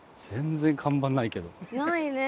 ないね。